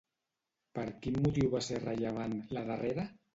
Per quin motiu va ser rellevant, la darrera?